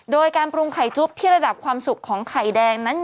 โดยการปรุงไข่จุ๊บที่ระดับความสุขของไข่แดงนั้น